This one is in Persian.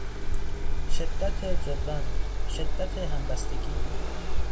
شدت جبران، شدت همبستگی